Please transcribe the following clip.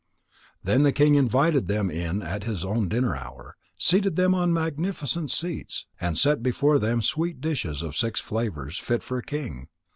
Then the king invited them in at his own dinner hour, seated them on magnificent seats, and set before them sweet dishes of six flavours, fit for a king.